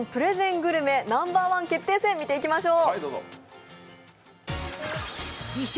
グルメナンバーワン決定戦を見ていきましょう。